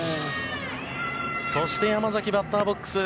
そして、山崎がバッターボックス。